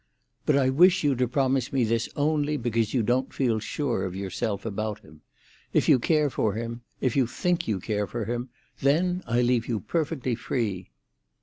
"But I wish you to promise me this only because you don't feel sure of yourself about him. If you care for him—if you think you care for him—then I leave you perfectly free."